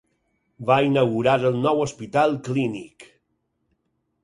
Va inaugurar el nou hospital Clínic.